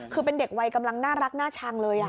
คือเป็นเด็กวัยกำลังน่ารักน่าชังเลย